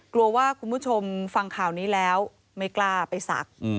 กลัวว่าคุณผู้ชมฟังข่าวนี้แล้วไม่กล้าไปศักดิ์